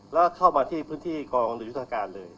แล้วเข้ามาที่พื้นที่กองหรือยุทธการเลย